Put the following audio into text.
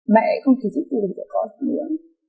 mẹ không thể giữ tù của con nữa